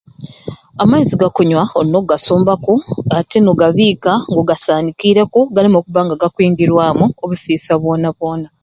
Amaizi ga kunywa olina ogasumbaku ate nogabika nga ogasanikireku galeme okuba nga gakwingiramu obusisa bwona bwona